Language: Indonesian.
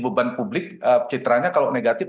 beban publik citranya kalau negatif